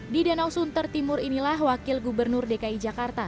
di danau sunter timur inilah wakil gubernur dki jakarta